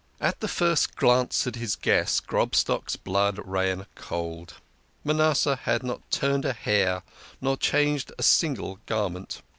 At the first glance at his guest Grobstock's blood ran cold. Manasseh had not turned a hair, nor changed a single garment.